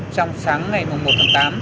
trong sáng ngày một tháng tám